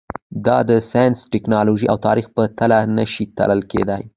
دا د ساینس، ټکنالوژۍ او تاریخ په تله نه شي تلل کېدای.